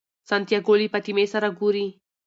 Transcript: سانتیاګو له فاطمې سره ګوري.